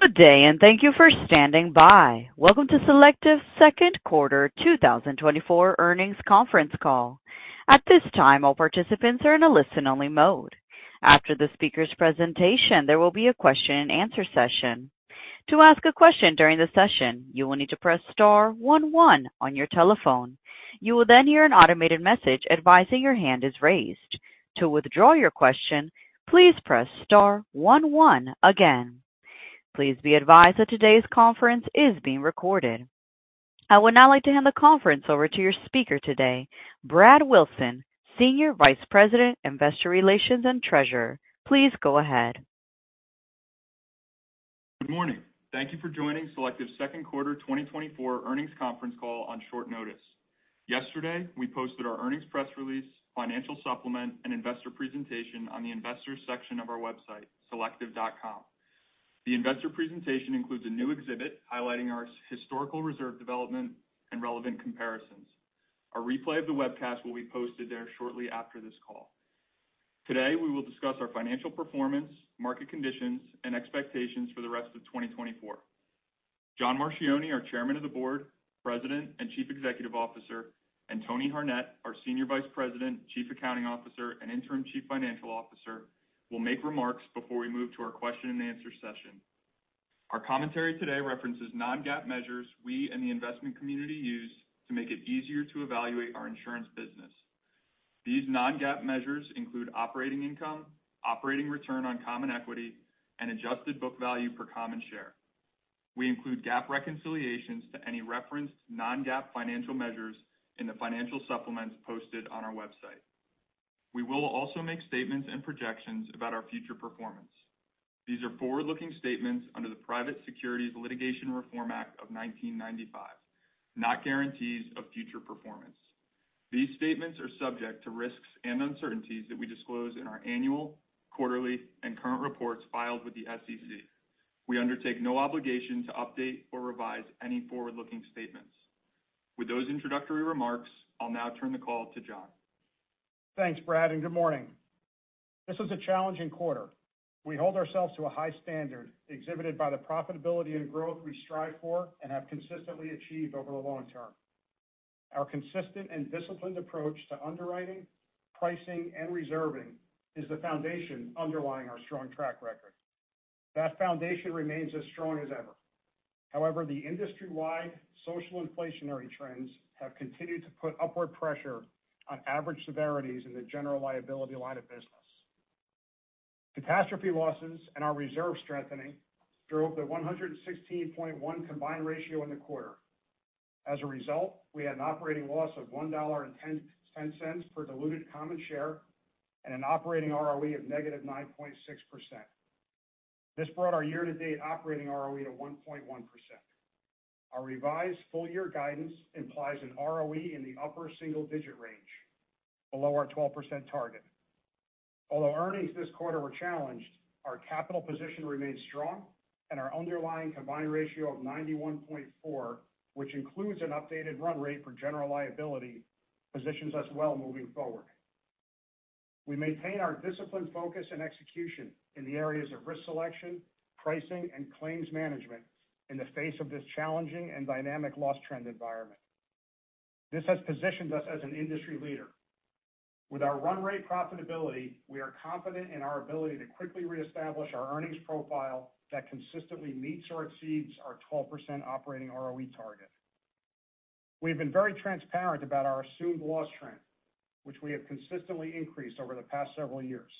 Good day, and thank you for standing by. Welcome to Selective's second quarter 2024 earnings conference call. At this time, all participants are in a listen-only mode. After the speaker's presentation, there will be a question-and-answer session. To ask a question during the session, you will need to press star one, one on your telephone. You will then hear an automated message advising your hand is raised. To withdraw your question, please press star one, one again. Please be advised that today's conference is being recorded. I would now like to hand the conference over to your speaker today, Brad Wilson, Senior Vice President, Investor Relations and Treasurer. Please go ahead. Good morning. Thank you for joining Selective's second quarter 2024 earnings conference call on short notice. Yesterday, we posted our earnings press release, financial supplement, and investor presentation on the Investors section of our website, selective.com. The investor presentation includes a new exhibit highlighting our historical reserve development and relevant comparisons. A replay of the webcast will be posted there shortly after this call. Today, we will discuss our financial performance, market conditions, and expectations for the rest of 2024. John Marchioni, our Chairman of the Board, President, and Chief Executive Officer, and Tony Harnett, our Senior Vice President, Chief Accounting Officer, and Interim Chief Financial Officer, will make remarks before we move to our question-and-answer session. Our commentary today references non-GAAP measures we and the investment community use to make it easier to evaluate our insurance business. These non-GAAP measures include operating income, operating return on common equity, and adjusted book value per common share. We include GAAP reconciliations to any referenced non-GAAP financial measures in the financial supplements posted on our website. We will also make statements and projections about our future performance. These are forward-looking statements under the Private Securities Litigation Reform Act of 1995, not guarantees of future performance. These statements are subject to risks and uncertainties that we disclose in our annual, quarterly, and current reports filed with the SEC. We undertake no obligation to update or revise any forward-looking statements. With those introductory remarks, I'll now turn the call to John. Thanks, Brad, and good morning. This was a challenging quarter. We hold ourselves to a high standard exhibited by the profitability and growth we strive for and have consistently achieved over the long term. Our consistent and disciplined approach to underwriting, pricing, and reserving is the foundation underlying our strong track record. That foundation remains as strong as ever. However, the industry-wide social inflationary trends have continued to put upward pressure on average severities in the general liability line of business. Catastrophe losses and our reserve strengthening drove the 116.1 combined ratio in the quarter. As a result, we had an operating loss of $1.10 per diluted common share and an operating ROE of -9.6%. This brought our year-to-date operating ROE to 1.1%. Our revised full-year guidance implies an ROE in the upper single-digit range, below our 12% target. Although earnings this quarter were challenged, our capital position remains strong and our underlying combined ratio of 91.4, which includes an updated run rate for general liability, positions us well moving forward. We maintain our disciplined focus and execution in the areas of risk selection, pricing, and claims management in the face of this challenging and dynamic loss trend environment. This has positioned us as an industry leader. With our run rate profitability, we are confident in our ability to quickly reestablish our earnings profile that consistently meets or exceeds our 12% operating ROE target. We've been very transparent about our assumed loss trend, which we have consistently increased over the past several years.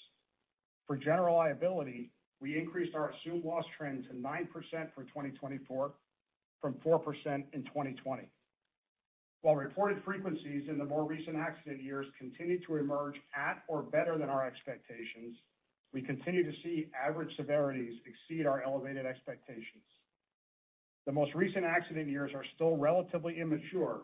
For General Liability, we increased our assumed loss trend to 9% for 2024 from 4% in 2020. While reported frequencies in the more recent accident years continued to emerge at or better than our expectations, we continue to see average severities exceed our elevated expectations. The most recent accident years are still relatively immature,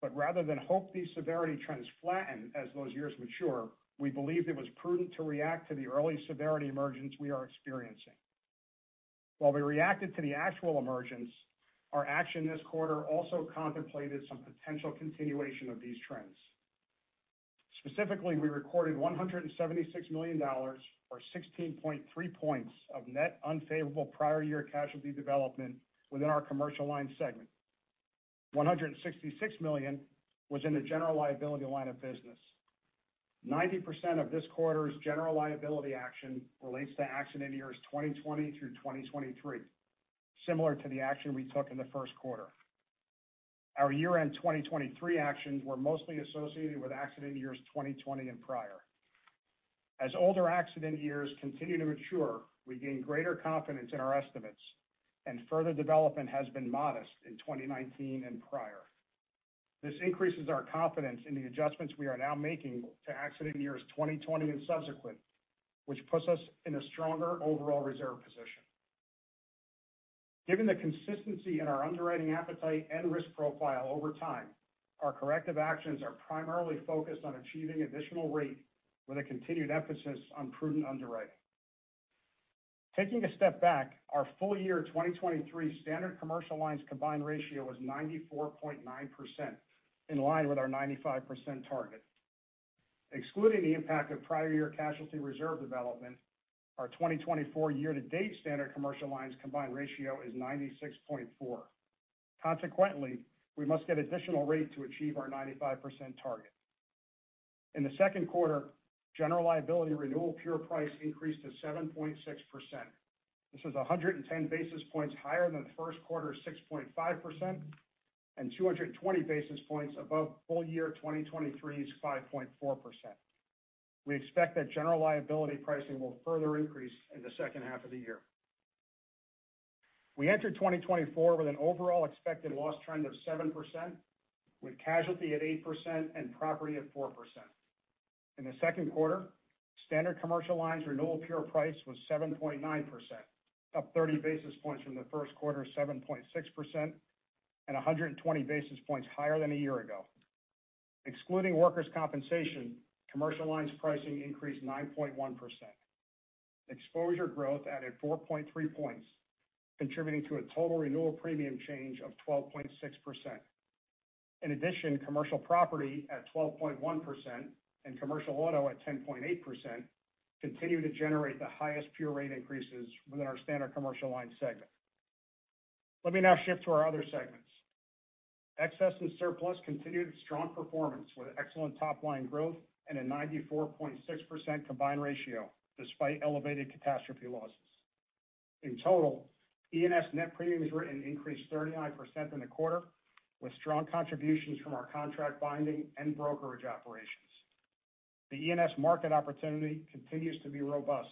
but rather than hope these severity trends flatten as those years mature, we believed it was prudent to react to the early severity emergence we are experiencing. While we reacted to the actual emergence, our action this quarter also contemplated some potential continuation of these trends. Specifically, we recorded $176 million, or 16.3 points of net unfavorable prior year casualty development within our commercial line segment. $166 million was in the General Liability line of business. 90% of this quarter's general liability action relates to accident years 2020 through 2023, similar to the action we took in the first quarter. Our year-end 2023 actions were mostly associated with accident years 2020 and prior. As older accident years continue to mature, we gain greater confidence in our estimates, and further development has been modest in 2019 and prior. This increases our confidence in the adjustments we are now making to accident years 2020 and subsequent, which puts us in a stronger overall reserve position. Given the consistency in our underwriting appetite and risk profile over time, our corrective actions are primarily focused on achieving additional rate with a continued emphasis on prudent underwriting. Taking a step back, our full year 2023 Standard Commercial Lines combined ratio was 94.9%, in line with our 95% target. Excluding the impact of prior year casualty reserve development, our 2024 year-to-date Standard Commercial Lines combined ratio is 96.4. Consequently, we must get additional rate to achieve our 95% target. In the second quarter, General Liability renewal Pure Price increased to 7.6%. This is 110 basis points higher than the first quarter 6.5%, and 220 basis points above full year 2023's 5.4%. We expect that General Liability pricing will further increase in the second half of the year. We entered 2024 with an overall expected Loss Trend of 7%, with casualty at 8% and property at 4%. In the second quarter, Standard Commercial Lines renewal pure price was 7.9%, up 30 basis points from the first quarter, 7.6%, and 120 basis points higher than a year ago. Excluding Workers' Compensation, commercial lines pricing increased 9.1%. Exposure growth added 4.3 points, contributing to a total renewal premium change of 12.6%. In addition, Commercial Property at 12.1% and Commercial Auto at 10.8% continue to generate the highest pure rate increases within our Standard Commercial Lines segment. Let me now shift to our other segments. Excess and Surplus continued its strong performance with excellent top-line growth and a 94.6% combined ratio, despite elevated Catastrophe Losses. In total, E&S net premiums written increased 39% in the quarter, with strong contributions from our contract binding and brokerage operations. The E&S market opportunity continues to be robust,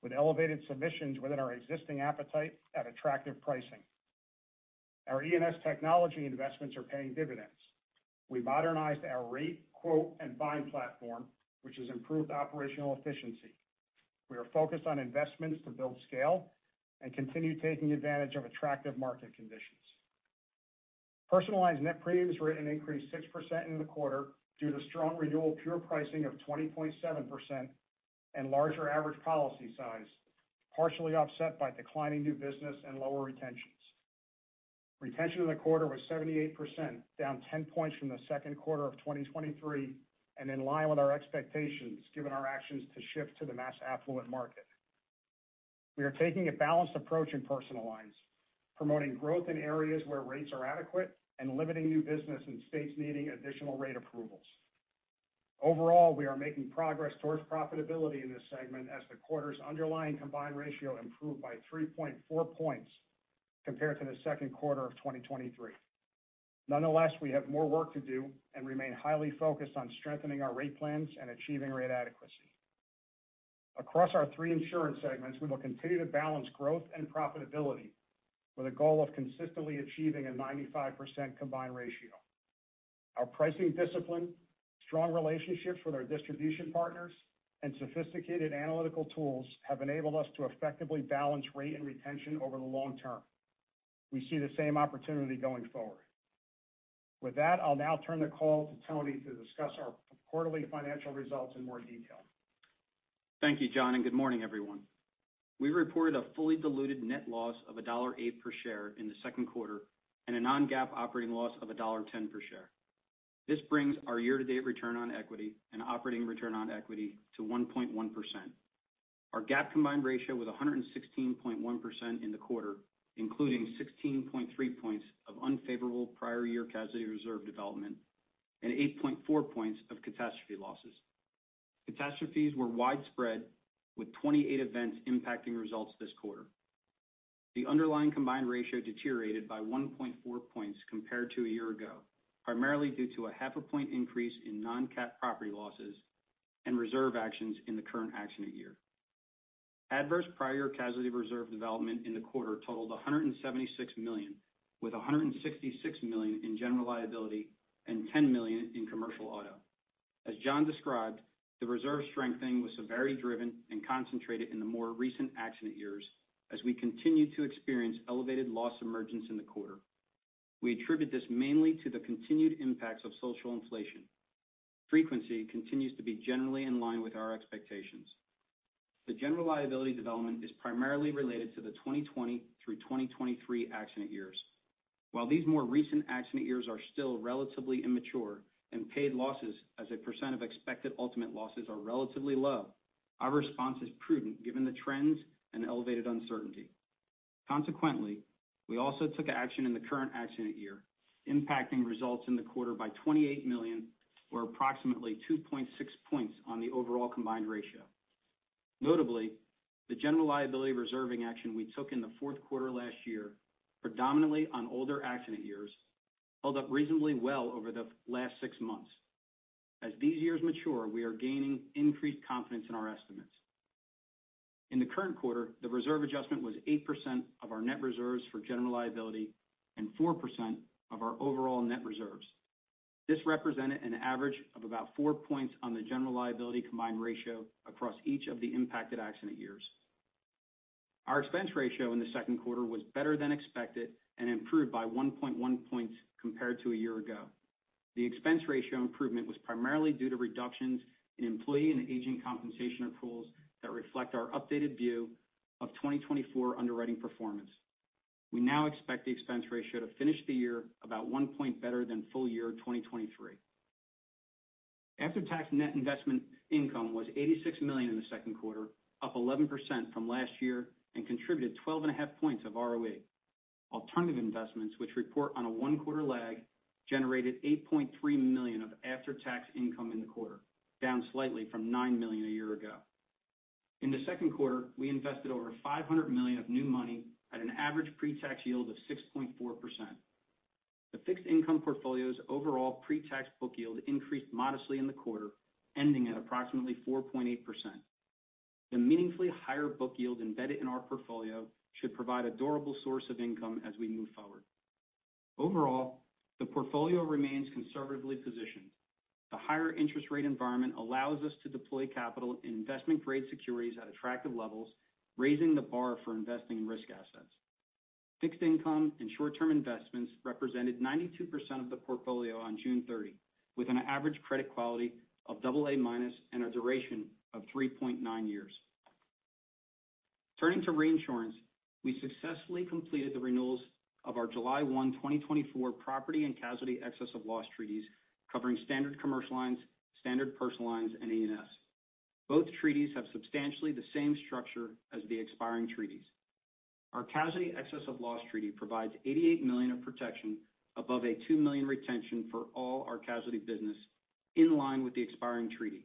with elevated submissions within our existing appetite at attractive pricing. Our E&S technology investments are paying dividends. We modernized our rate, quote, and bind platform, which has improved operational efficiency. We are focused on investments to build scale and continue taking advantage of attractive market conditions. Personal net premiums written increased 6% in the quarter due to strong renewal pure pricing of 20.7% and larger average policy size, partially offset by declining new business and lower retentions. Retention in the quarter was 78%, down 10 points from the second quarter of 2023, and in line with our expectations, given our actions to shift to the mass affluent market. We are taking a balanced approach in personal lines, promoting growth in areas where rates are adequate and limiting new business in states needing additional rate approvals. Overall, we are making progress towards profitability in this segment, as the quarter's underlying combined ratio improved by 3.4 points compared to the second quarter of 2023. Nonetheless, we have more work to do and remain highly focused on strengthening our rate plans and achieving rate adequacy. Across our three insurance segments, we will continue to balance growth and profitability with a goal of consistently achieving a 95% combined ratio. Our pricing discipline, strong relationships with our distribution partners, and sophisticated analytical tools have enabled us to effectively balance rate and retention over the long term. We see the same opportunity going forward. With that, I'll now turn the call to Tony to discuss our quarterly financial results in more detail. Thank you, John, and good morning, everyone. We reported a fully diluted net loss of $1.08 per share in the second quarter and a non-GAAP operating loss of $1.10 per share. This brings our year-to-date return on equity and operating return on equity to 1.1%. Our GAAP combined ratio was 116.1% in the quarter, including 16.3 points of unfavorable prior year casualty reserve development and 8.4 points of catastrophe losses. Catastrophes were widespread, with 28 events impacting results this quarter. The underlying combined ratio deteriorated by 1.4 points compared to a year ago, primarily due to a 0.5 point increase in non-cat property losses and reserve actions in the current accident year. Adverse prior casualty reserve development in the quarter totaled $176 million, with $166 million in general liability and $10 million in commercial auto. As John described, the reserve strengthening was severity driven and concentrated in the more recent accident years, as we continued to experience elevated loss emergence in the quarter. We attribute this mainly to the continued impacts of social inflation. Frequency continues to be generally in line with our expectations. The general liability development is primarily related to the 2020 through 2023 accident years. While these more recent accident years are still relatively immature and paid losses as a percent of expected ultimate losses are relatively low, our response is prudent given the trends and elevated uncertainty. Consequently, we also took action in the current Accident Year, impacting results in the quarter by $28 million, or approximately 2.6 points on the overall Combined Ratio. Notably, the General Liability reserving action we took in the fourth quarter last year, predominantly on older Accident Years, held up reasonably well over the last six months. As these years mature, we are gaining increased confidence in our estimates. In the current quarter, the reserve adjustment was 8% of our net reserves for General Liability and 4% of our overall net reserves. This represented an average of about four points on the General Liability Combined Ratio across each of the impacted Accident Years. Our expense ratio in the second quarter was better than expected and improved by 1.1 points compared to a year ago. The expense ratio improvement was primarily due to reductions in employee and agent compensation approvals that reflect our updated view of 2024 underwriting performance. We now expect the expense ratio to finish the year about 1 point better than full year 2023. After-tax net investment income was $86 million in the second quarter, up 11% from last year, and contributed 12.5 points of ROE. Alternative investments, which report on a one-quarter lag, generated $8.3 million of after-tax income in the quarter, down slightly from $9 million a year ago. In the second quarter, we invested over $500 million of new money at an average pretax yield of 6.4%. The fixed income portfolio's overall pretax book yield increased modestly in the quarter, ending at approximately 4.8%. The meaningfully higher book yield embedded in our portfolio should provide a durable source of income as we move forward. Overall, the portfolio remains conservatively positioned. The higher interest rate environment allows us to deploy capital in investment-grade securities at attractive levels, raising the bar for investing in risk assets. Fixed income and short-term investments represented 92% of the portfolio on June 30, with an average credit quality of AA- and a duration of 3.9 years. Turning to reinsurance, we successfully completed the renewals of our July 1, 2024 property and casualty excess of loss treaties, covering Standard Commercial Lines, Personal Lines, and E&S. Both treaties have substantially the same structure as the expiring treaties. Our casualty excess of loss treaty provides $88 million of protection above a $2 million retention for all our casualty business, in line with the expiring treaty.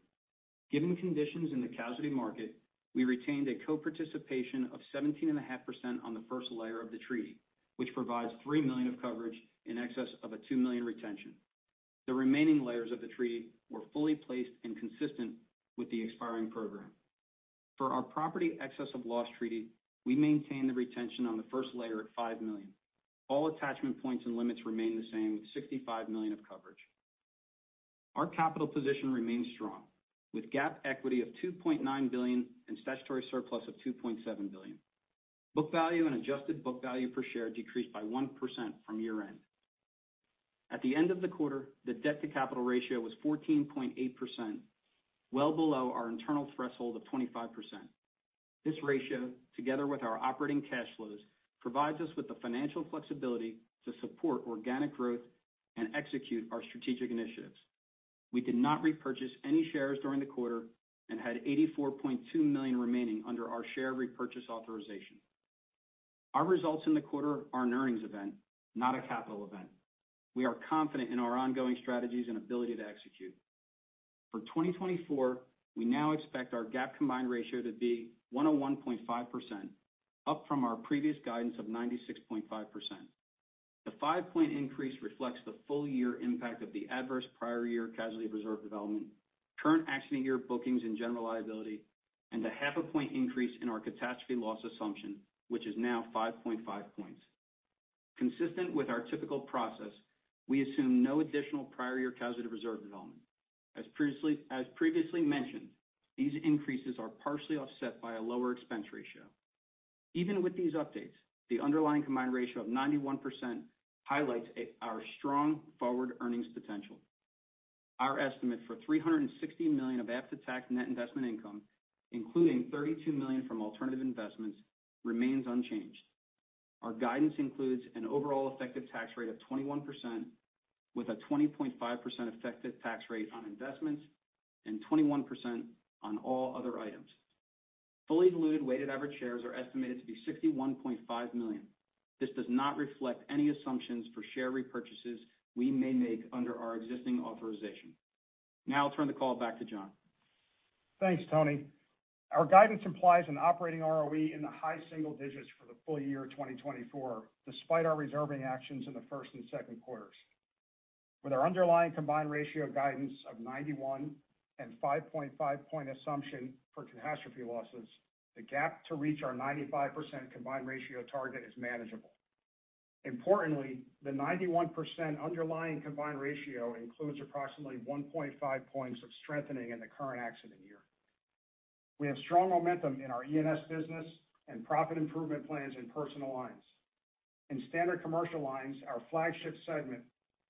Given conditions in the casualty market, we retained a co-participation of 17.5% on the first layer of the treaty, which provides $3 million of coverage in excess of a $2 million retention. The remaining layers of the treaty were fully placed and consistent with the expiring program. For our property excess of loss treaty, we maintained the retention on the first layer at $5 million. All attachment points and limits remain the same, with $65 million of coverage. Our capital position remains strong, with GAAP equity of $2.9 billion and statutory surplus of $2.7 billion. Book value and adjusted book value per share decreased by 1% from year-end. At the end of the quarter, the debt-to-capital ratio was 14.8%, well below our internal threshold of 25%. This ratio, together with our operating cash flows, provides us with the financial flexibility to support organic growth and execute our strategic initiatives. We did not repurchase any shares during the quarter and had $84.2 million remaining under our share repurchase authorization. Our results in the quarter are an earnings event, not a capital event. We are confident in our ongoing strategies and ability to execute. For 2024, we now expect our GAAP combined ratio to be 101.5%, up from our previous guidance of 96.5%. The five-point increase reflects the full year impact of the adverse prior year casualty reserve development, current accident year bookings and general liability, and a 0.5-point increase in our catastrophe loss assumption, which is now 5.5 points. Consistent with our typical process, we assume no additional prior year casualty reserve development. As previously mentioned, these increases are partially offset by a lower expense ratio. Even with these updates, the underlying combined ratio of 91% highlights our strong forward earnings potential. Our estimate for $360 million of after-tax net investment income, including $32 million from alternative investments, remains unchanged. Our guidance includes an overall effective tax rate of 21%, with a 20.5% effective tax rate on investments and 21% on all other items. Fully diluted weighted average shares are estimated to be 61.5 million. This does not reflect any assumptions for share repurchases we may make under our existing authorization. Now I'll turn the call back to John. Thanks, Tony. Our guidance implies an operating ROE in the high single digits for the full year 2024, despite our reserving actions in the first and second quarters. With our underlying combined ratio guidance of 91 and 5.5-point assumption for catastrophe losses, the gap to reach our 95% combined ratio target is manageable. Importantly, the 91% underlying combined ratio includes approximately 1.5 points of strengthening in the current accident year. We have strong momentum in our E&S business and profit improvement plans in personal lines. In standard commercial lines, our flagship segment,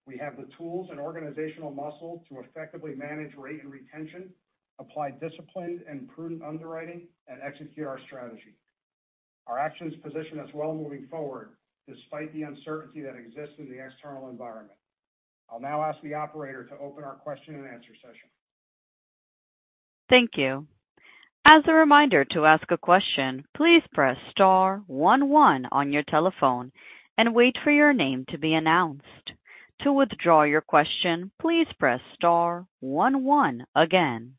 we have the tools and organizational muscle to effectively manage rate and retention, apply disciplined and prudent underwriting, and execute our strategy. Our actions position us well moving forward, despite the uncertainty that exists in the external environment. I'll now ask the operator to open our question-and-answer session. Thank you. As a reminder, to ask a question, please press star one one on your telephone and wait for your name to be announced. To withdraw your question, please press star one one again.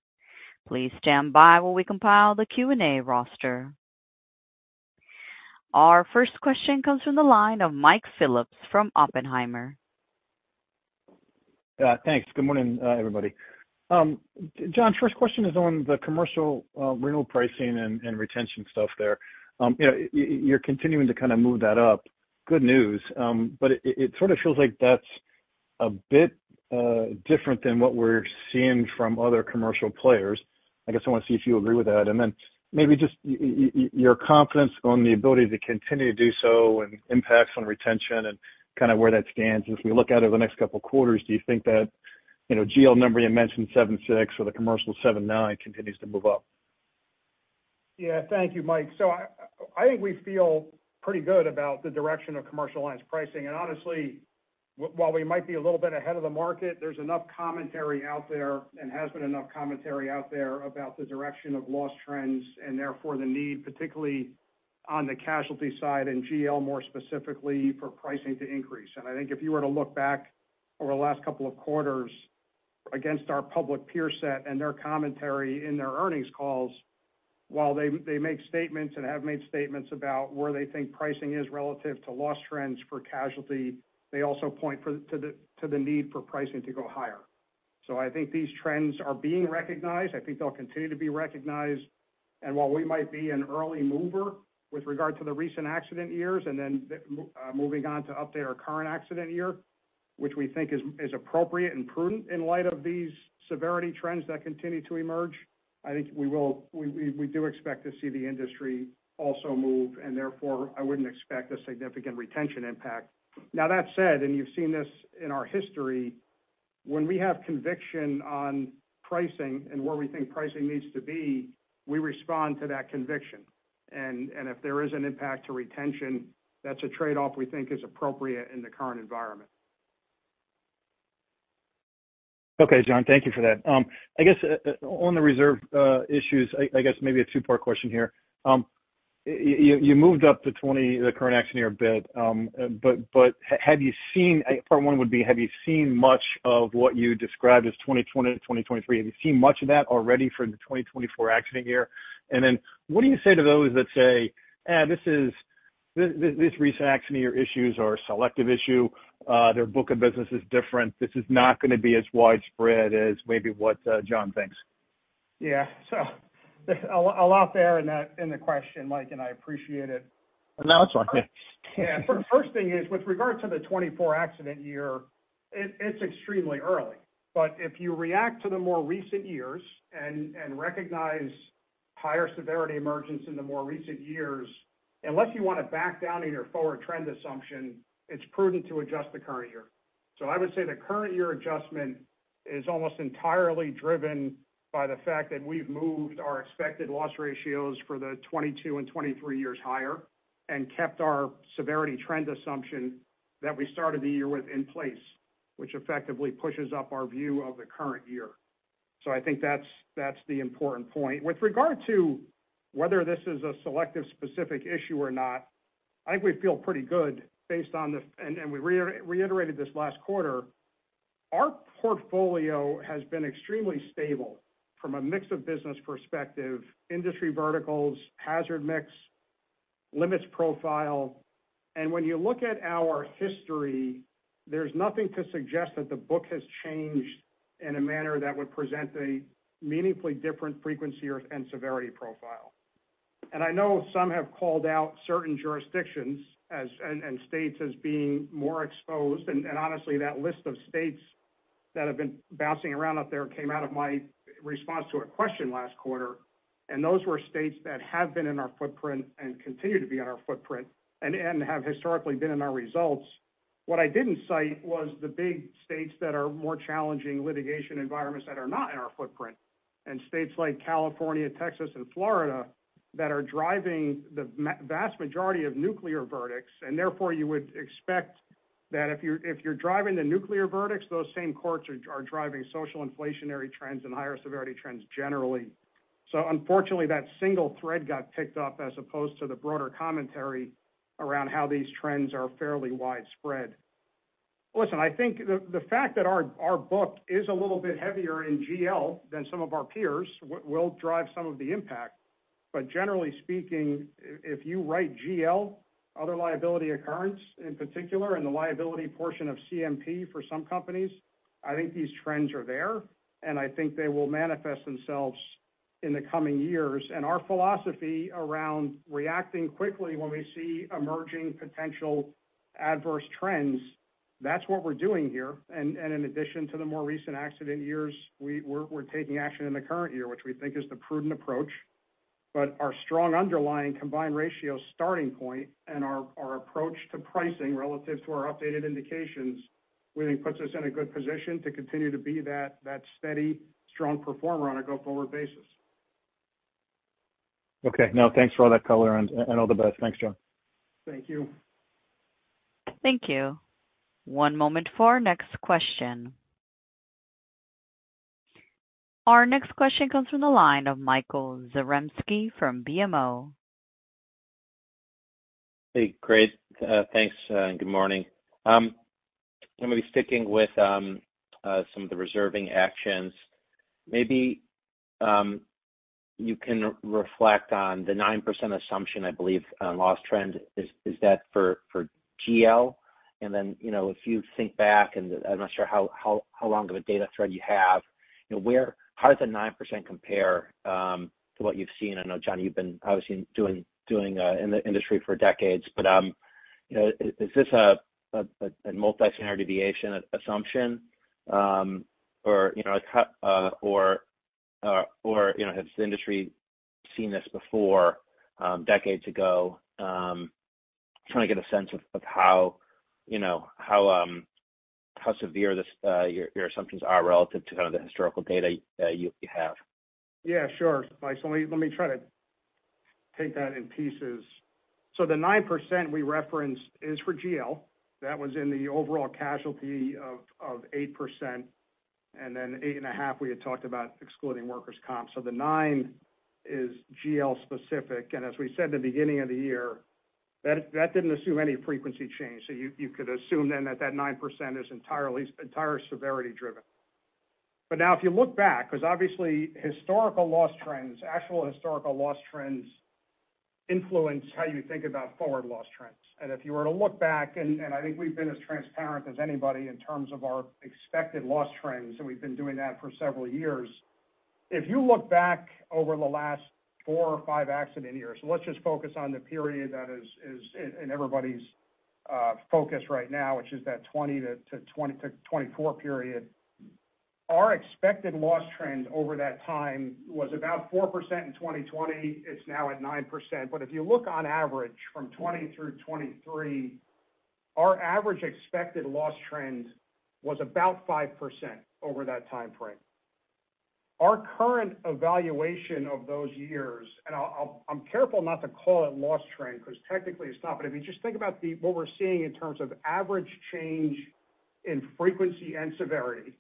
Please stand by while we compile the Q&A roster. Our first question comes from the line of Mike Phillips from Oppenheimer. Thanks. Good morning, everybody. John, first question is on the commercial renewal pricing and retention stuff there. You know, you're continuing to kind of move that up. Good news, but it sort of feels like that's a bit different than what we're seeing from other commercial players. I guess I want to see if you agree with that. And then maybe just your confidence on the ability to continue to do so and impacts on retention and kind of where that stands. As we look out over the next couple of quarters, do you think that, you know, GL number you mentioned, 76, or the commercial 79, continues to move up? Yeah, thank you, Mike. So I think we feel pretty good about the direction of commercial lines pricing. And honestly, while we might be a little bit ahead of the market, there's enough commentary out there, and has been enough commentary out there about the direction of loss trends, and therefore the need, particularly on the casualty side and GL more specifically, for pricing to increase. And I think if you were to look back over the last couple of quarters against our public peer set and their commentary in their earnings calls, while they make statements and have made statements about where they think pricing is relative to loss trends for casualty, they also point to the need for pricing to go higher. So I think these trends are being recognized. I think they'll continue to be recognized. And while we might be an early mover with regard to the recent accident years, and then moving on to update our current accident year, which we think is appropriate and prudent in light of these severity trends that continue to emerge, I think we will, we do expect to see the industry also move, and therefore, I wouldn't expect a significant retention impact. Now, that said, and you've seen this in our history, when we have conviction on pricing and where we think pricing needs to be, we respond to that conviction. And if there is an impact to retention, that's a trade-off we think is appropriate in the current environment. Okay, John, thank you for that. I guess on the reserve issues, I guess maybe a two-part question here. You moved up to 2020, the current accident year a bit, but have you seen. Part one would be, have you seen much of what you described as 2020 to 2023? Have you seen much of that already for the 2024 accident year? And then what do you say to those that say, "Ah, this recent accident year issues are a selective issue. Their book of business is different. This is not going to be as widespread as maybe what John thinks. Yeah. So a lot there in that, in the question, Mike, and I appreciate it. No, it's all right. Yeah. First thing is, with regard to the 2024 accident year, it, it's extremely early. But if you react to the more recent years and, and recognize higher severity emergence in the more recent years, unless you want to back down in your forward trend assumption, it's prudent to adjust the current year. So I would say the current year adjustment is almost entirely driven by the fact that we've moved our expected loss ratios for the 2022 and 2023 years higher and kept our severity trend assumption that we started the year with in place, which effectively pushes up our view of the current year. So I think that's, the important point. With regard to whether this is a selective specific issue or not, I think we feel pretty good based on the, and we reiterated this last quarter, our portfolio has been extremely stable from a mix of business perspective, industry verticals, hazard mix, limits profile. And when you look at our history, there's nothing to suggest that the book has changed in a manner that would present a meaningfully different frequency or severity profile. And I know some have called out certain jurisdictions as, and states as being more exposed. And honestly, that list of states that have been bouncing around out there came out of my response to a question last quarter, and those were states that have been in our footprint and continue to be in our footprint, and have historically been in our results. What I didn't cite was the big states that are more challenging litigation environments that are not in our footprint, and states like California, Texas and Florida, that are driving the vast majority of nuclear verdicts. And therefore, you would expect that if you're, if you're driving the nuclear verdicts, those same courts are, are driving social inflationary trends and higher severity trends generally. So unfortunately, that single thread got picked up as opposed to the broader commentary around how these trends are fairly widespread. Listen, I think the fact that our book is a little bit heavier in GL than some of our peers, will, will drive some of the impact. But generally speaking, if you write GL, other liability occurrence, in particular, in the liability portion of CMP for some companies, I think these trends are there, and I think they will manifest themselves in the coming years. And our philosophy around reacting quickly when we see emerging potential adverse trends, that's what we're doing here. And in addition to the more recent accident years, we're taking action in the current year, which we think is the prudent approach. But our strong underlying combined ratio starting point and our approach to pricing relative to our updated indications, we think, puts us in a good position to continue to be that steady, strong performer on a go-forward basis. Okay. No, thanks for all that color and all the best. Thanks, John. Thank you. Thank you. One moment for our next question. Our next question comes from the line of Michael Zaremski from BMO. Hey, great. Thanks, and good morning. I'm gonna be sticking with some of the reserving actions. Maybe you can reflect on the 9% assumption, I believe, on loss trend. Is that for GL? And then, you know, if you think back, and I'm not sure how long of a data thread you have, you know, how does the 9% compare to what you've seen? I know, John, you've been obviously doing in the industry for decades, but you know, is this a multi-standard deviation assumption, or, you know, has the industry seen this before, decades ago? Trying to get a sense of how severe this, your assumptions are relative to kind of the historical data, you have? Yeah, sure, Mike. So let me, let me try to take that in pieces. So the 9% we referenced is for GL. That was in the overall casualty of, of 8%, and then 8.5%, we had talked about excluding workers' comp. So the nine is GL specific, and as we said in the beginning of the year, that, that didn't assume any frequency change. So you, you could assume then that, that 9% is entirely, entire severity driven. But now, if you look back, because obviously historical loss trends, actual historical loss trends influence how you think about forward loss trends. And if you were to look back, and, and I think we've been as transparent as anybody in terms of our expected loss trends, and we've been doing that for several years. If you look back over the last four or five accident years, let's just focus on the period that is in everybody's focus right now, which is that 2020 to 2024 period. Our expected loss trend over that time was about 4% in 2020. It's now at 9%. But if you look on average from 2020 through 2023, our average expected loss trend was about 5% over that timeframe. Our current evaluation of those years, and I'll, I'm careful not to call it loss trend, because technically it's not. But if you just think about the, what we're seeing in terms of average change in frequency and severity,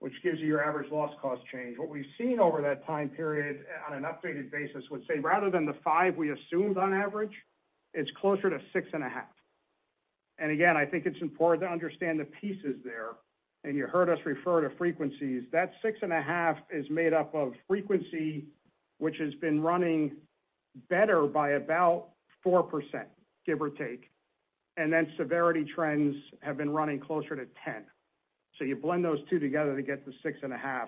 which gives you your average loss cost change, what we've seen over that time period on an updated basis would say rather than the five we assumed on average, it's closer to 6.5. And again, I think it's important to understand the pieces there, and you heard us refer to frequencies. That 6.5 is made up of frequency, which has been running better by about 4%, give or take, and then severity trends have been running closer to 10. So you blend those two together to get to 6.5.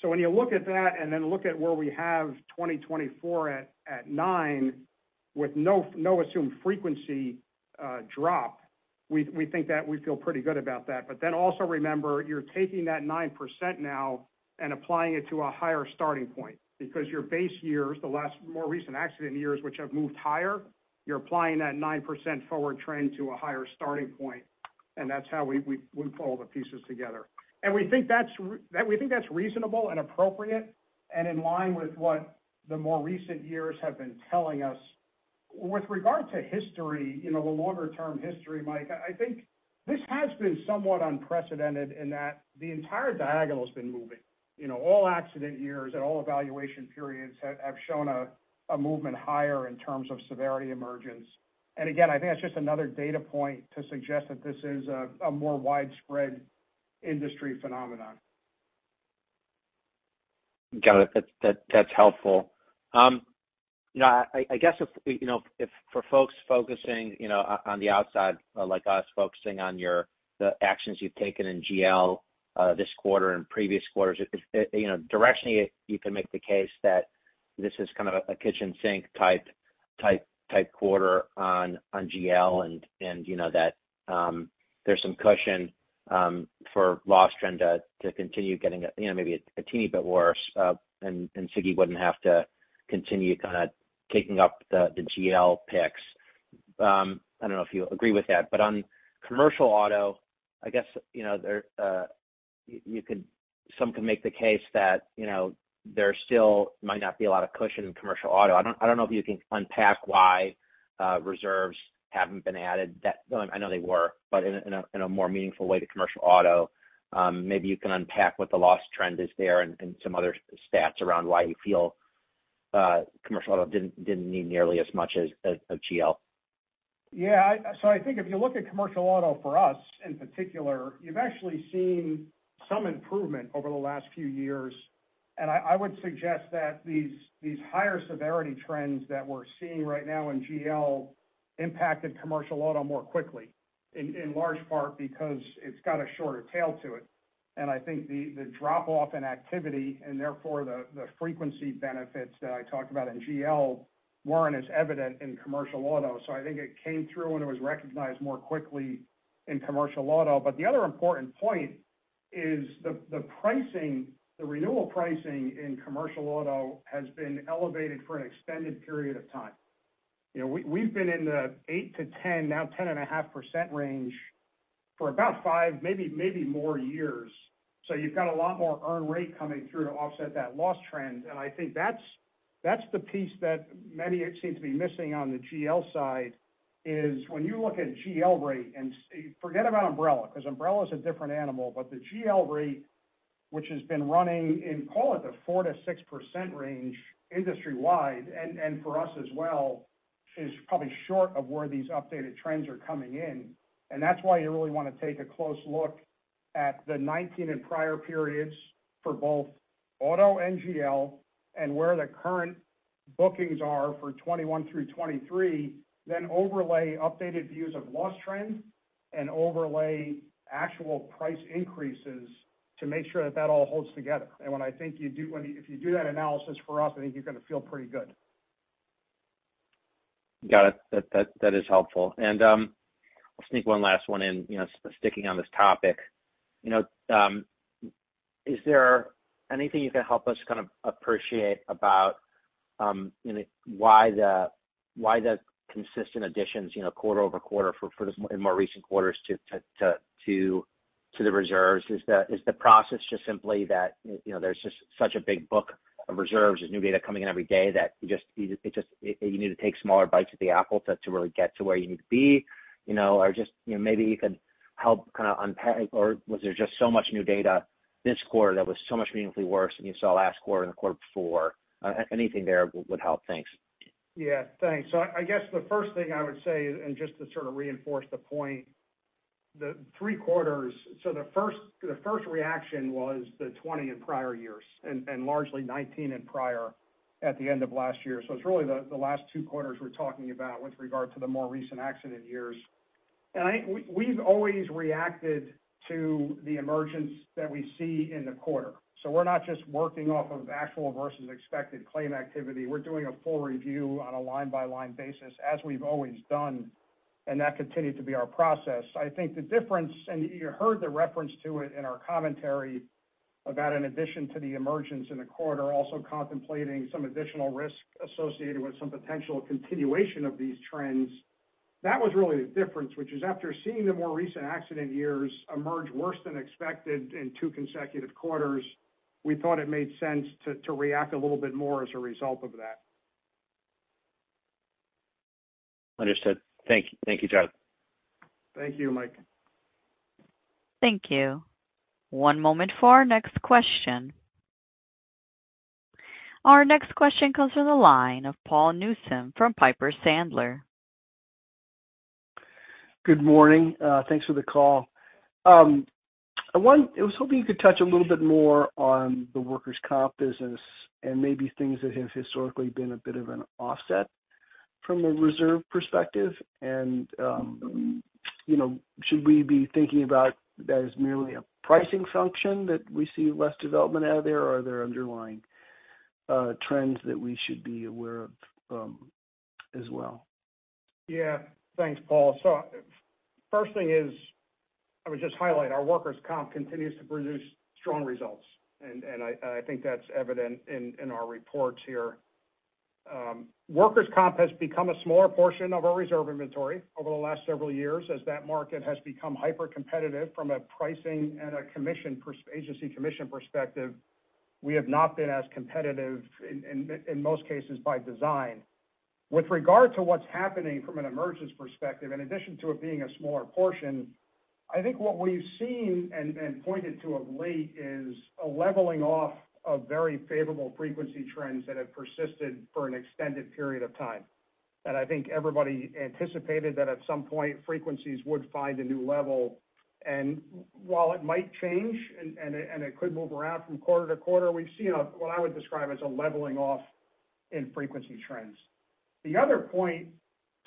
So when you look at that and then look at where we have 2024 at nine, with no assumed frequency drop, we think that we feel pretty good about that. But then also remember, you're taking that 9% now and applying it to a higher starting point because your base years, the last more recent accident years, which have moved higher, you're applying that 9% forward trend to a higher starting point, and that's how we put all the pieces together. And we think that's that, we think that's reasonable and appropriate and in line with what the more recent years have been telling us. With regard to history, you know, the longer-term history, Mike, I think this has been somewhat unprecedented in that the entire diagonal has been moving. You know, all accident years and all evaluation periods have shown a movement higher in terms of severity emergence. And again, I think that's just another data point to suggest that this is a more widespread industry phenomenon. Got it. That's helpful. You know, I guess if, you know, if for folks focusing, you know, on the outside, like us, focusing on the actions you've taken in GL, this quarter and previous quarters, if, you know, directionally, you can make the case that this is kind of a kitchen sink type quarter on GL, and you know that, there's some cushion for loss trend to continue getting, you know, maybe a teeny bit worse, and SIGI wouldn't have to continue kind of taking up the GL picks. I don't know if you agree with that, but on commercial auto, I guess, you know, there, you could, some could make the case that, you know, there still might not be a lot of cushion in commercial auto. I don't know if you can unpack why reserves haven't been added. I know they were, but in a more meaningful way to Commercial Auto, maybe you can unpack what the loss trend is there and some other stats around why you feel Commercial Auto didn't need nearly as much as GL. Yeah, so I think if you look at commercial auto for us, in particular, you've actually seen some improvement over the last few years. And I would suggest that these higher severity trends that we're seeing right now in GL impacted commercial auto more quickly, in large part because it's got a shorter tail to it. And I think the drop-off in activity, and therefore the frequency benefits that I talked about in GL, weren't as evident in commercial auto. So I think it came through and it was recognized more quickly in commercial auto. But the other important point is the pricing, the renewal pricing in commercial auto has been elevated for an extended period of time. You know, we've been in the 8%-10%, now 10.5% range for about five, maybe, maybe more years. So you've got a lot more earned rate coming through to offset that loss trend. And I think that's, that's the piece that many seem to be missing on the GL side, is when you look at GL rate, and forget about umbrella, because umbrella is a different animal, but the GL rate, which has been running in, call it, the 4%-6% range industry-wide, and, and for us as well, is probably short of where these updated trends are coming in. And that's why you really want to take a close look at the 2019 and prior periods for both auto and GL and where the current bookings are for 2021 through 2023, then overlay updated views of loss trends and overlay actual price increases to make sure that that all holds together. When, if you do that analysis for us, I think you're going to feel pretty good. Got it. That is helpful. And I'll sneak one last one in, you know, sticking on this topic. You know, is there anything you can help us kind of appreciate about why the consistent additions, you know, quarter-over-quarter for this in more recent quarters to the reserves? Is the process just simply that, you know, there's just such a big book of reserves, there's new data coming in every day, that you just need to take smaller bites at the apple to really get to where you need to be, you know? Or just, you know, maybe you could help kind of unpack, or was there just so much new data this quarter that was so much meaningfully worse than you saw last quarter and the quarter before? Anything there would help. Thanks. Yeah, thanks. So I guess the first thing I would say, and just to sort of reinforce the point, the three quarters. So the first reaction was the '20 and prior years, and largely '19 and prior at the end of last year. So it's really the last two quarters we're talking about with regard to the more recent accident years. And I think we've always reacted to the emergence that we see in the quarter. So we're not just working off of actual versus expected claim activity. We're doing a full review on a line-by-line basis, as we've always done, and that continued to be our process. I think the difference, and you heard the reference to it in our commentary, about in addition to the emergence in the quarter, also contemplating some additional risk associated with some potential continuation of these trends. That was really the difference, which is, after seeing the more recent accident years emerge worse than expected in two consecutive quarters, we thought it made sense to react a little bit more as a result of that. Understood. Thank you, John. Thank you, Mike. Thank you. One moment for our next question. Our next question comes from the line of Paul Newsome from Piper Sandler. Good morning, thanks for the call. I was hoping you could touch a little bit more on the workers' comp business and maybe things that have historically been a bit of an offset from a reserve perspective. And, you know, should we be thinking about that as merely a pricing function, that we see less development out of there? Or are there underlying trends that we should be aware of, as well? Yeah. Thanks, Paul. So first thing is, I would just highlight, our workers' comp continues to produce strong results, and I think that's evident in our reports here. Workers' comp has become a smaller portion of our reserve inventory over the last several years, as that market has become hypercompetitive from a pricing and agency commission perspective. We have not been as competitive in most cases by design. With regard to what's happening from an emergence perspective, in addition to it being a smaller portion, I think what we've seen and pointed to of late is a leveling off of very favorable frequency trends that have persisted for an extended period of time. I think everybody anticipated that at some point, frequencies would find a new level. While it might change, and it could move around from quarter to quarter, we've seen a what I would describe as a leveling off in frequency trends. The other point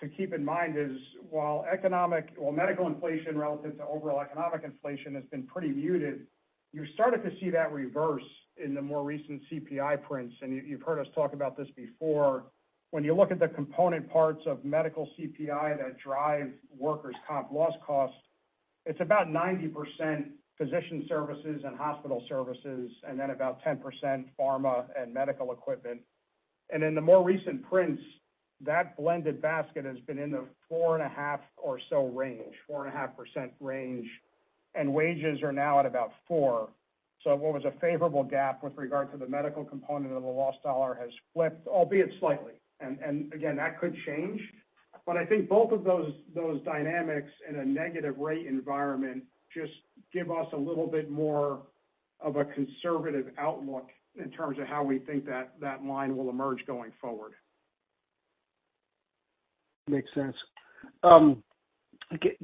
to keep in mind is, while economic, while medical inflation relative to overall economic inflation has been pretty muted, you're starting to see that reverse in the more recent CPI prints, and you've heard us talk about this before. When you look at the component parts of medical CPI that drive workers' comp loss costs, it's about 90% physician services and hospital services, and then about 10% pharma and medical equipment. And in the more recent prints, that blended basket has been in the 4.5% or so range, 4.5% range, and wages are now at about four. So what was a favorable gap with regard to the medical component of the loss dollar has flipped, albeit slightly. And again, that could change. But I think both of those dynamics in a negative rate environment just give us a little bit more of a conservative outlook in terms of how we think that line will emerge going forward. Makes sense.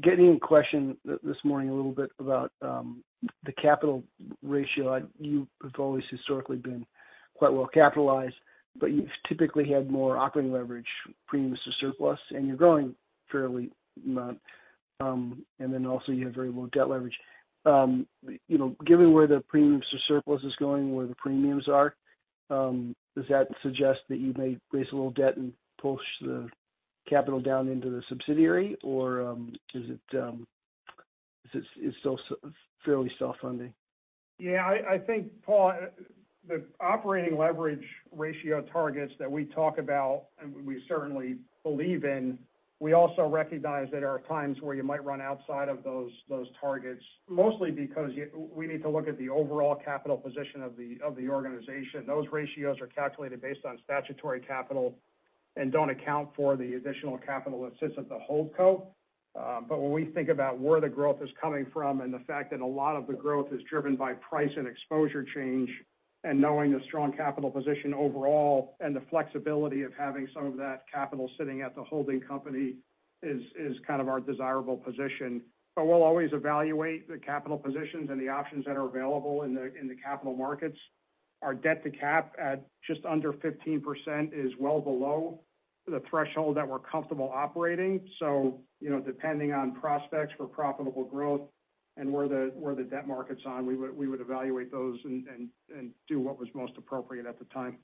Getting a question this morning a little bit about the capital ratio. You have always historically been quite well capitalized, but you've typically had more operating leverage premiums to surplus, and you're growing a fair amount, and then also you have very low debt leverage. You know, given where the premiums to surplus is going and where the premiums are, does that suggest that you may raise a little debt and push the capital down into the subsidiary? Or, is it still fairly self-funding? Yeah, I think, Paul, the operating leverage ratio targets that we talk about, and we certainly believe in, we also recognize there are times where you might run outside of those, those targets, mostly because we need to look at the overall capital position of the, of the organization. Those ratios are calculated based on statutory capital and don't account for the additional capital that sits at the hold co. But when we think about where the growth is coming from and the fact that a lot of the growth is driven by price and exposure change, and knowing the strong capital position overall, and the flexibility of having some of that capital sitting at the holding company is, is kind of our desirable position. But we'll always evaluate the capital positions and the options that are available in the, in the capital markets. Our debt-to-capital at just under 15% is well below the threshold that we're comfortable operating. So, you know, depending on prospects for profitable growth and where the debt market's on, we would evaluate those and do what was most appropriate at the time.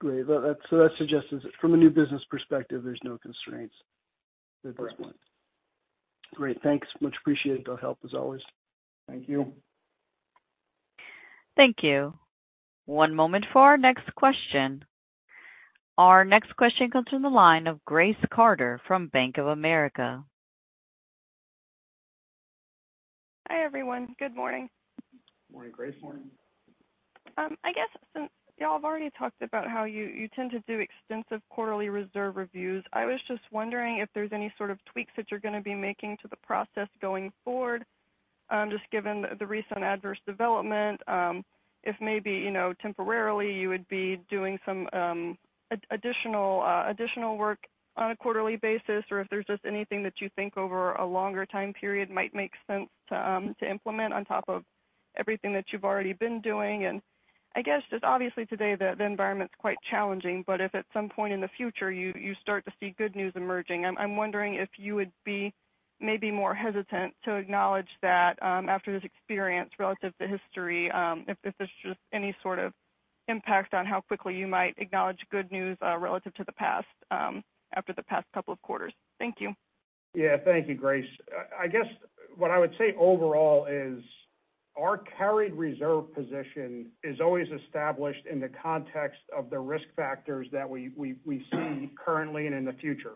Great. Well, so that suggests that from a new business perspective, there's no constraints at this point? Great, thanks. Much appreciated the help as always. Thank you. Thank you. One moment for our next question. Our next question comes from the line of Grace Carter from Bank of America. Hi, everyone. Good morning. Morning, Grace. I guess since y'all have already talked about how you tend to do extensive quarterly reserve reviews, I was just wondering if there's any sort of tweaks that you're going to be making to the process going forward, just given the recent adverse development, if maybe, you know, temporarily you would be doing some additional work on a quarterly basis, or if there's just anything that you think over a longer time period might make sense to implement on top of everything that you've already been doing. And I guess, just obviously today, the environment's quite challenging, but if at some point in the future, you start to see good news emerging, I'm wondering if you would be maybe more hesitant to acknowledge that after this experience relative to history, if there's just any sort of impact on how quickly you might acknowledge good news relative to the past after the past couple of quarters? Thank you. Yeah. Thank you, Grace. I guess what I would say overall is our carried reserve position is always established in the context of the risk factors that we see currently and in the future.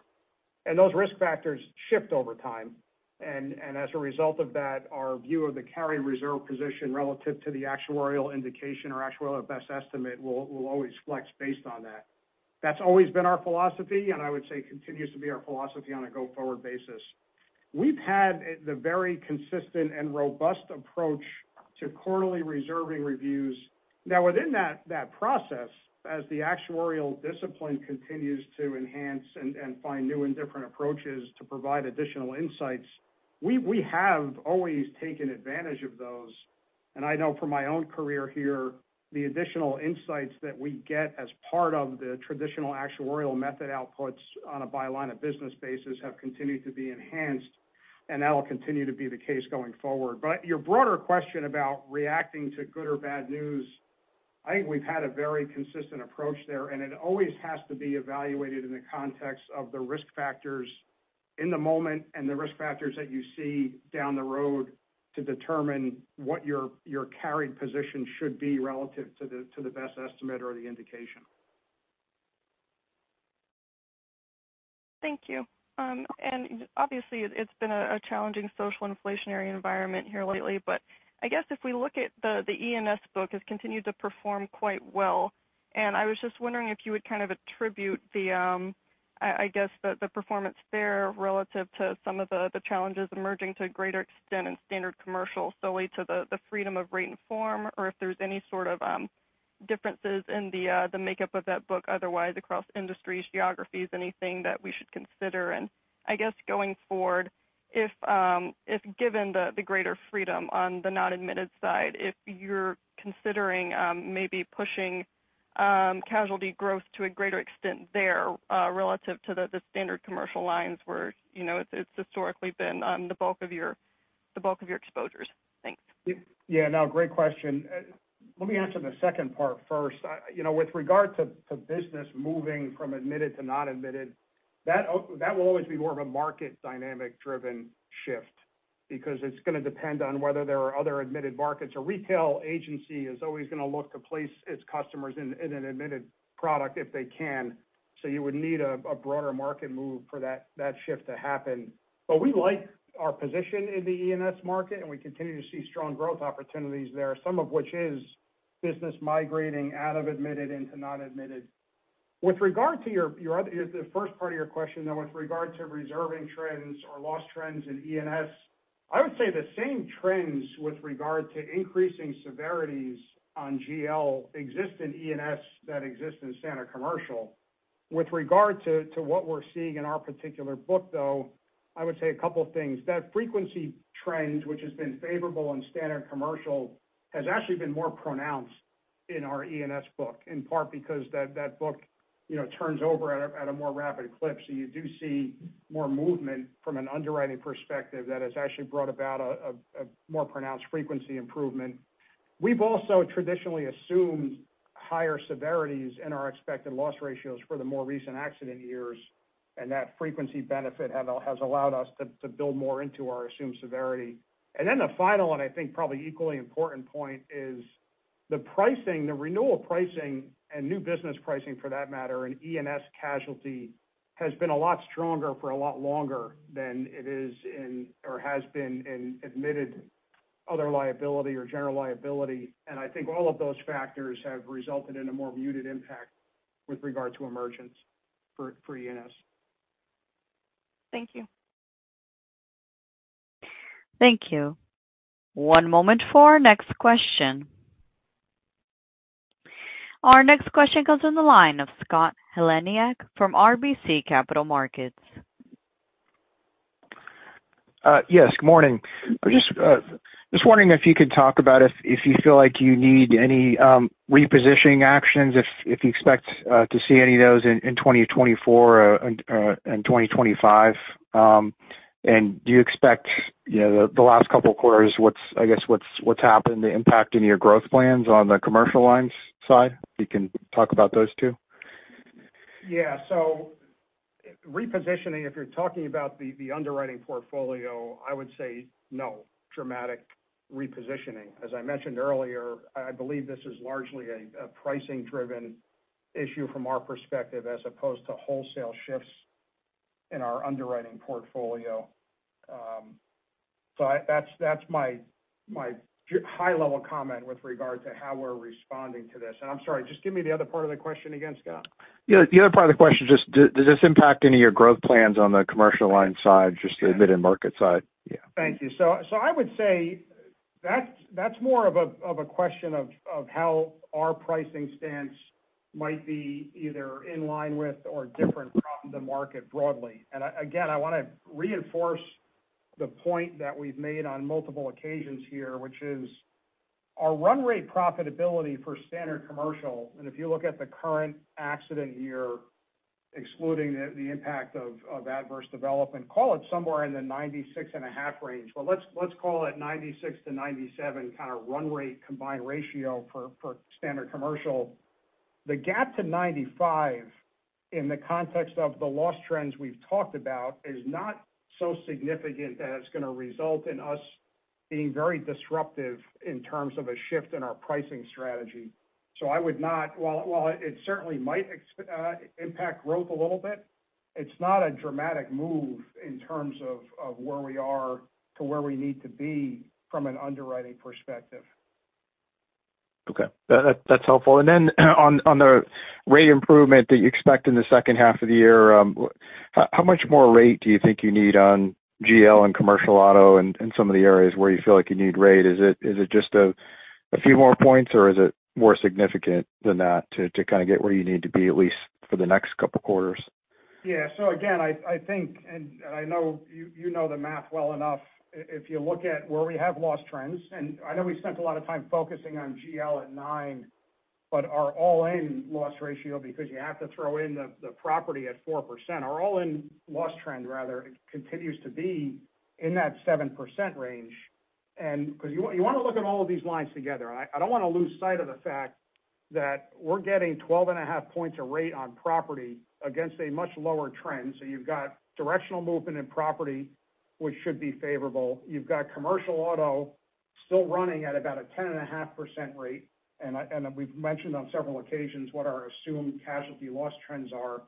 And those risk factors shift over time. And as a result of that, our view of the carried reserve position relative to the actuarial indication or actuarial best estimate will always flex based on that. That's always been our philosophy, and I would say continues to be our philosophy on a go-forward basis. We've had the very consistent and robust approach to quarterly reserving reviews. Now, within that process, as the actuarial discipline continues to enhance and find new and different approaches to provide additional insights, we have always taken advantage of those. I know from my own career here, the additional insights that we get as part of the traditional actuarial method outputs on a by line of business basis have continued to be enhanced, and that will continue to be the case going forward. Your broader question about reacting to good or bad news, I think we've had a very consistent approach there, and it always has to be evaluated in the context of the risk factors in the moment and the risk factors that you see down the road to determine what your carried position should be relative to the best estimate or the indication. Thank you. And obviously, it's been a challenging social inflationary environment here lately, but I guess if we look at the E&S book, it's continued to perform quite well. And I was just wondering if you would kind of attribute the, I guess, the performance there relative to some of the challenges emerging to a greater extent in standard commercial solely to the freedom of rate and form, or if there's any sort of differences in the makeup of that book otherwise across industries, geographies, anything that we should consider? I guess going forward, if given the greater freedom on the non-admitted side, if you're considering maybe pushing casualty growth to a greater extent there, relative to the standard commercial lines where, you know, it's historically been the bulk of your exposures. Thanks. Yeah, no, great question. Let me answer the second part first. You know, with regard to business moving from admitted to non-admitted, that will always be more of a market dynamic driven shift because it's going to depend on whether there are other admitted markets. A retail agency is always going to look to place its customers in an admitted product if they can. So you would need a broader market move for that shift to happen. But we like our position in the E&S market, and we continue to see strong growth opportunities there, some of which is business migrating out of admitted into non-admitted. With regard to your other—the first part of your question, though, with regard to reserving trends or loss trends in E&S, I would say the same trends with regard to increasing severities on GL exist in E&S that exist in standard commercial. With regard to what we're seeing in our particular book, though, I would say a couple of things. That frequency trend, which has been favorable in standard commercial, has actually been more pronounced in our E&S book, in part because that book, you know, turns over at a more rapid clip. So you do see more movement from an underwriting perspective that has actually brought about a more pronounced frequency improvement. We've also traditionally assumed higher severities in our expected loss ratios for the more recent accident years, and that frequency benefit has allowed us to build more into our assumed severity. And then the final one, I think, probably equally important point, is the pricing, the renewal pricing and new business pricing, for that matter, in E&S casualty, has been a lot stronger for a lot longer than it is in or has been in admitted other liability or general liability. And I think all of those factors have resulted in a more muted impact with regard to emergence for E&S. Thank you. Thank you. One moment for our next question. Our next question comes in the line of Scott Heleniak from RBC Capital Markets. Yes, good morning. I was just wondering if you could talk about if you feel like you need any repositioning actions, if you expect to see any of those in 2024 and 2025? And do you expect, you know, the last couple of quarters, what's happened impacting your growth plans on the commercial lines side? I guess, you can talk about those two. Yeah, so repositioning, if you're talking about the underwriting portfolio, I would say no dramatic repositioning. As I mentioned earlier, I believe this is largely a pricing-driven issue from our perspective, as opposed to wholesale shifts in our underwriting portfolio. So that's my high-level comment with regard to how we're responding to this. And I'm sorry, just give me the other part of the question again, Scott. Yeah, the other part of the question, just, does this impact any of your growth plans on the commercial line side, just the admitted market side? Yeah. Thank you. So I would say that's more of a question of how our pricing stance might be either in line with or different from the market broadly. And again, I wanna reinforce the point that we've made on multiple occasions here, which is our run rate profitability for standard commercial, and if you look at the current accident year, excluding the impact of adverse development, call it somewhere in the 96.5 range. But let's call it 96-97 kind of run rate combined ratio for standard commercial. The gap to 95, in the context of the loss trends we've talked about, is not so significant that it's gonna result in us being very disruptive in terms of a shift in our pricing strategy. So I would not—while it certainly might impact growth a little bit, it's not a dramatic move in terms of where we are to where we need to be from an underwriting perspective. Okay, that, that's helpful. And then on, on the rate improvement that you expect in the second half of the year, how, how much more rate do you think you need on GL and commercial auto and, and some of the areas where you feel like you need rate? Is it, is it just a, a few more points, or is it more significant than that, to, to kind of get where you need to be, at least for the next couple quarters? Yeah. So again, I, I think, and I know you, you know the math well enough, if you look at where we have loss trends, and I know we spent a lot of time focusing on GL at nine, but our all-in loss ratio, because you have to throw in the, the property at 4%, our all-in loss trend, rather, continues to be in that 7% range. And 'cause you, you wanna look at all of these lines together. I, I don't wanna lose sight of the fact that we're getting 12.5 points of rate on property against a much lower trend. So you've got directional movement in property, which should be favorable. You've got commercial auto still running at about a 10.5% rate, and we've mentioned on several occasions what our assumed casualty loss trends are.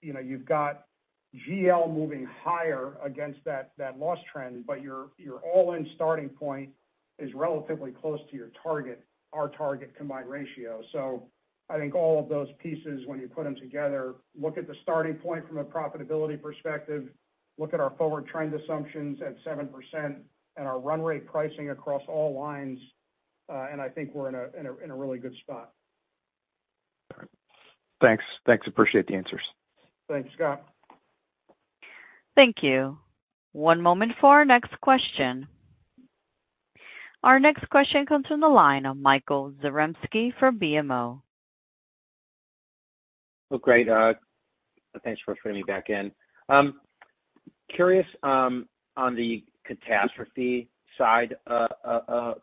You know, you've got GL moving higher against that loss trend, but your all-in starting point is relatively close to your target, our target combined ratio. So I think all of those pieces, when you put them together, look at the starting point from a profitability perspective, look at our forward trend assumptions at 7% and our run rate pricing across all lines, and I think we're in a really good spot. All right. Thanks, thanks. Appreciate the answers. Thanks, Scott. Thank you. One moment for our next question. Our next question comes from the line of Michael Zaremski from BMO. Well, great, thanks for putting me back in. Curious, on the catastrophe side,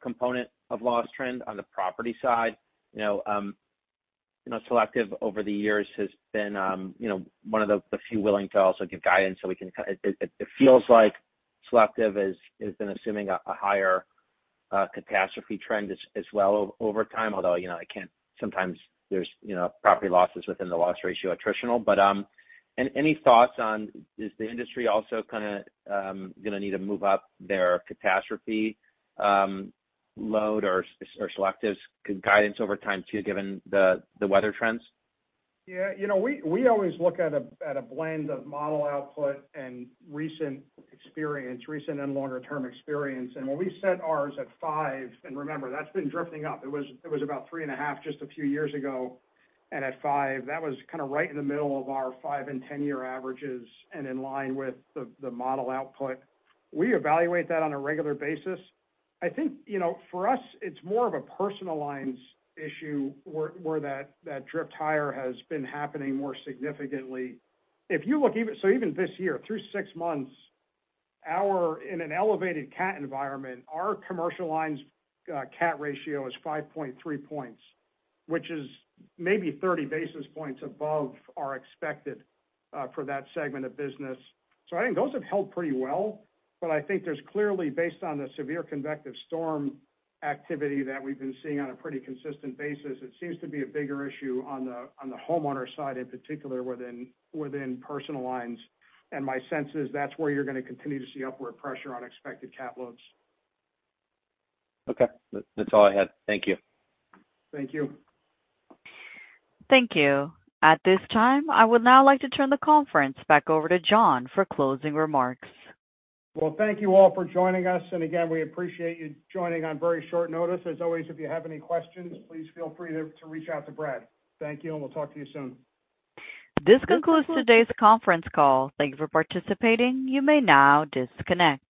component of loss trend on the property side. You know, you know, Selective over the years has been, you know, one of the, the few willing to also give guidance so we can kind. It, it, it feels like Selective has, has been assuming a, a higher, catastrophe trend as, as well over time, although, you know, I can't, sometimes there's, you know, property losses within the loss ratio attritional. But, and any thoughts on, is the industry also kind of, gonna need to move up their catastrophe, load or Selective's guidance over time, too, given the, the weather trends? Yeah, you know, we always look at a blend of model output and recent experience, recent and longer-term experience. And when we set ours at five, and remember, that's been drifting up, it was about 3.5 just a few years ago. And at five, that was kind of right in the middle of our five and 10-year averages and in line with the model output. We evaluate that on a regular basis. I think, you know, for us, it's more of a Personal Lines issue where that drift higher has been happening more significantly. If you look even so, even this year, through six months, our, in an elevated cat environment, our commercial lines cat ratio is 5.3 points, which is maybe 30 basis points above our expected for that segment of business. So I think those have held pretty well, but I think there's clearly, based on the severe convective storm activity that we've been seeing on a pretty consistent basis, it seems to be a bigger issue on the homeowner side, in particular within personal lines. And my sense is that's where you're gonna continue to see upward pressure on expected cat loads. Okay. That's all I had. Thank you. Thank you. Thank you. At this time, I would now like to turn the conference back over to John for closing remarks. Well, thank you all for joining us, and again, we appreciate you joining on very short notice. As always, if you have any questions, please feel free to reach out to Brad. Thank you, and we'll talk to you soon. This concludes today's conference call. Thank you for participating. You may now disconnect.